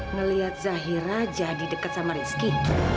ngeliat zahira jadi deket sama rizky